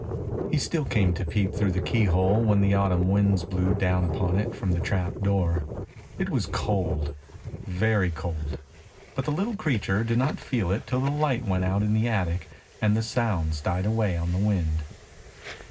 He still came to peep through the key hole when the autumn winds blew down upon it from the trap door; it was cold, very cold, but the little creature did not feel it till the light went out in the attic and the sounds died away on the wind.